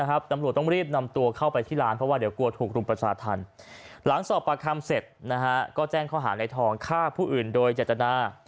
หลังสอบปรับคำเสร็จนะฮะก็แจ้งโขหารไลษ์ทองฆ่าผู้อื่นโดยจัตรนา